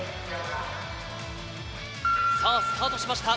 さあ、スタートしました。